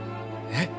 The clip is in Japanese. えっ？